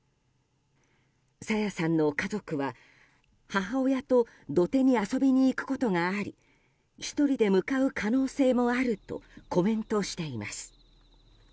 朝芽さんの家族は、母親と土手に遊びにいくことがあり１人で向かう可能性もあるとコメントしています。